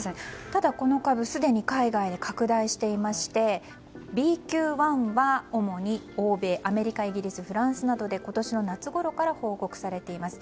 ただ、この株すでに海外で拡大していましてＢＱ．１は主に欧米、アメリカイギリス、フランスなどで今年夏ごろから報告されています。